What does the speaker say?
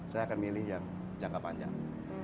saya akan milih yang jangka panjang